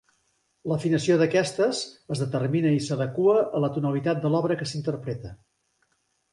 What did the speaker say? L'afinació d'aquestes es determina i s'adequa a la tonalitat de l'obra que s'interpreta.